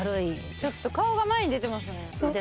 ちょっと顔が前に出てますね。